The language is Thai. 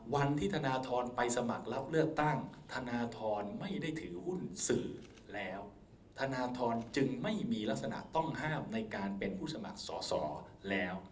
ธนทรไปสมัครรับเลือกตั้งธนทรไม่ได้ถือหุ้นสื่อแล้วธนทรจึงไม่มีลักษณะต้องห้ามในการเป็นผู้สมัครสอสอแล้ว